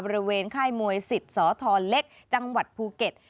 ค่ายมวยสิทธิ์สธรเล็กจังหวัดภูเก็ต